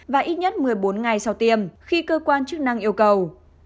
và ít nhất một mươi bốn ngày sau tiêm khi cơ quan chức năng yêu cầu